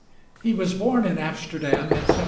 He was born in Amsterdam in 1756.